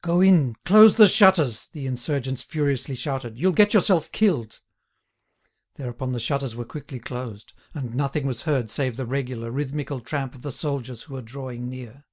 "Go in, close the shutters," the insurgents furiously shouted; "you'll get yourself killed." Thereupon the shutters were quickly closed, and nothing was heard save the regular, rhythmical tramp of the soldiers who were drawing near.